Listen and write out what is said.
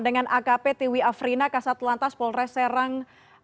dengan akp tiwi afrina kasat lantas polres serang